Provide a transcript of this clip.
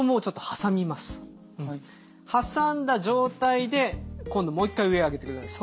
挟んだ状態で今度もう一回上上げてください。